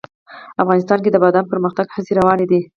افغانستان کې د بادام د پرمختګ هڅې روانې دي.